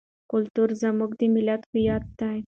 کلتور زموږ د ملت هویت دی.